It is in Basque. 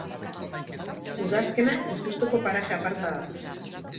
Udazkena ikusteko paraje aparta.